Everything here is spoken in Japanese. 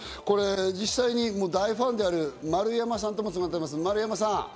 これ、実際に大ファンである丸山さんと繋がってます、丸山さん。